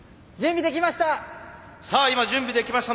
準備できました！